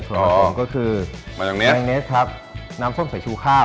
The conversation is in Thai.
ส่วนผมก็คือมายเนสครับน้ำส้มสายชูข้าว